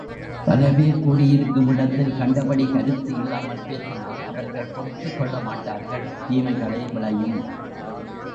பலபேர் கூடி இருக்கும் இடத்தில் கண்டபடி கருத்து இல்லாமல் பேசினால் அவர்கள் பொறுத்துக்கொள்ள மாட்டார்கள் தீமைகளே விளையும்.